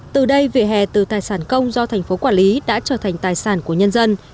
từ đây vỉa hè từ tài sản công do thành phố quản lý đã trở thành tài sản của nhân dân